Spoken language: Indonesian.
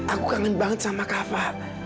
aku kangen banget sama kava